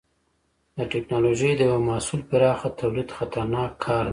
د ټېکنالوجۍ د یوه محصول پراخه تولید خطرناک کار دی.